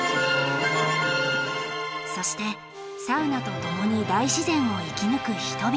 そしてサウナと共に大自然を生き抜く人々。